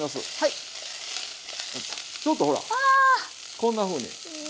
こんなふうに。